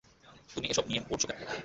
তুমি এসব নিয়ে পড়ছো কেন?